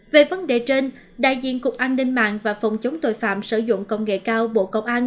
về vấn đề trên đại diện cục an ninh mạng và phòng chống tội phạm sử dụng công nghệ cao bộ công an